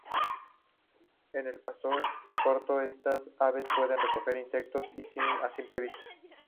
En el pasto corto, estas aves pueden recoger insectos a simple vista.